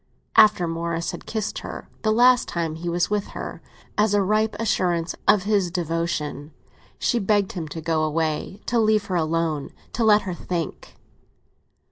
After Morris had kissed her, the last time he was with her, as a ripe assurance of his devotion, she begged him to go away, to leave her alone, to let her think.